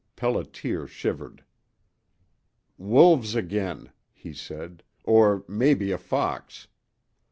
Pelliter shivered. "Wolves again," he said, "or mebbe a fox."